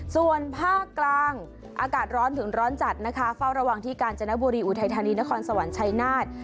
ส่วนภาคกลางอากาศร้อนถึงร้อนจัดนะคะเฝ้าระวังที่กาญจนบุรีอุทัยธานีนครสวรรค์ชัยนาธ